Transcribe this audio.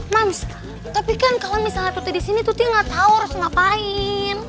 mams tapi kan kalau misalnya tuti di sini tuti nggak tahu harus ngapain